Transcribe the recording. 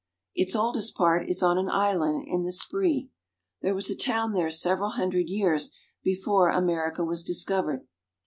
Its oldest part is on an island in the Spree. There was a town there several hundred years before America was discovered.